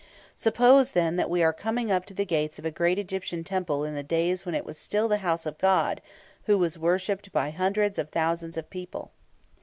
Suppose, then, that we are coming up to the gates of a great Egyptian temple in the days when it was still the house of a god who was worshipped by hundreds of thousands of people.